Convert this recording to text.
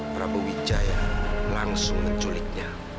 prabu wijaya langsung menculiknya